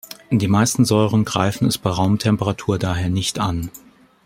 Die meisten Säuren greifen es bei Raumtemperatur daher nicht an.